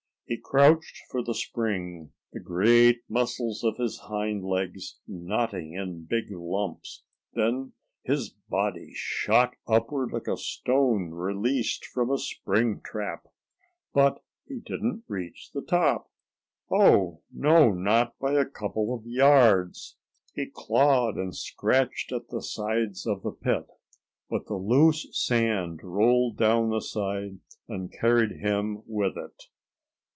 He crouched for the spring, the great muscles of his hind legs knotting in big lumps. Then his body shot upward like a stone released from a spring trap. But he didn't reach the top. Oh, no, not by a couple of yards! He clawed and scratched at the sides of the pit, but the loose sand rolled down the side and carried him with it.